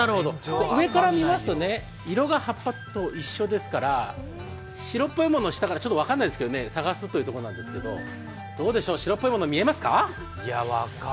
上から見ますと、色が葉っぱと一緒ですから白っぽいものを、下からちょっと分からないですけど、探すということですけどどうでしょう、白っぽいもの見えますか？